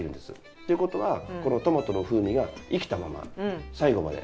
っていうことはこのトマトの風味が生きたまま最後まで。